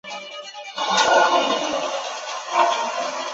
于比哈美和哥利逊双双因伤缺阵而取得大量上阵机会。